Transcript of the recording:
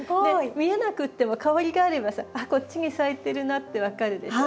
見えなくっても香りがあればさ「あっこっちに咲いてるな」って分かるでしょ？